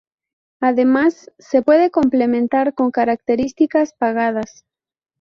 Además, se puede complementar con características pagadas.